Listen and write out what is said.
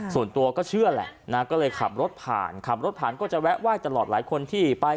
ส่วนตัวก็เชื่อแหละนะก็เลยขับรถผ่านขับรถผ่านก็จะแวะไหว้ตลอดหลายคนที่ไป